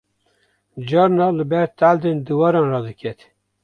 carna li ber taldên diwaran radiket